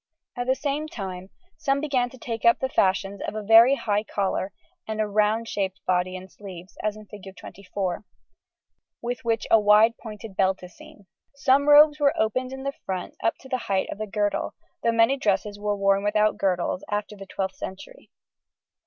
At the same time some began to take up the fashions of a very high collar and a round shaped body and sleeves, as in Fig. 24 (see p. 89), with which a wide pointed belt is seen. Some robes were opened in front up to the height of the girdle, though many dresses were worn without girdles after the 12th century.